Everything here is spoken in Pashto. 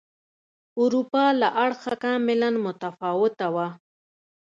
اروپا له اړخه کاملا متفاوته وه.